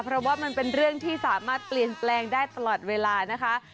เพราะว่ามันเป็นเรื่องที่สามารถเปลี่ยนแปลงได้ตลอดเวลานะคะ